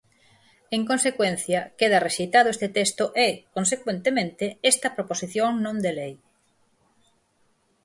En consecuencia, queda rexeitado este texto e, consecuentemente, esta proposición non de lei.